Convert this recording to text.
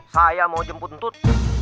saya mau jemput ntut